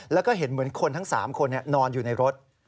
แล้วก็เห็นเหมือนคนทั้ง๓คนนอนอยู่ในรถ